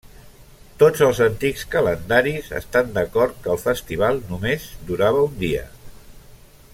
Tots els antics calendaris estan d'acord que el festival només durava un dia.